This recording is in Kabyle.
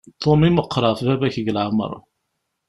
Tom i meqqer ɣef baba-k deg leεmer.